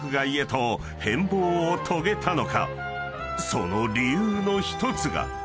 ［その理由の１つが］